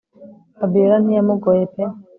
Fabiora ntiya mugoye pe